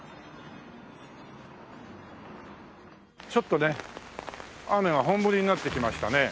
ちょっとね雨が本降りになってきましたね。